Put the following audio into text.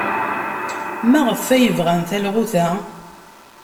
Maɣef ay bɣan talɣut-a?